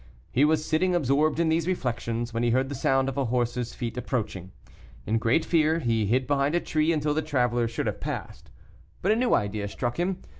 He was sitting absorbed in these reflections, when he heard the sound of a horse's feet approaching. In great fear, he hid behind a tree until the traveler should have passed; but a new idea struck him.